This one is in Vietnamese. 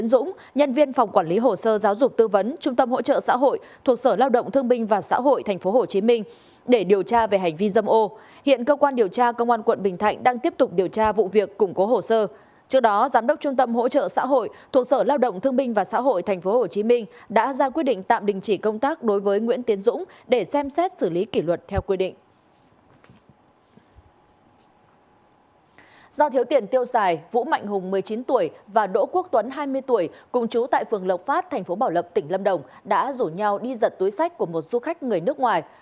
do thiếu tiền tiêu xài vũ mạnh hùng một mươi chín tuổi và đỗ quốc tuấn hai mươi tuổi cùng chú tại phường lộc phát thành phố bảo lập tỉnh lâm đồng đã rủ nhau đi giật túi sách của một du khách người nước ngoài